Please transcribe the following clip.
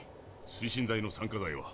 推進剤の酸化剤は？